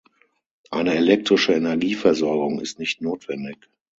Eine elektrische Energieversorgung ist nicht notwendig.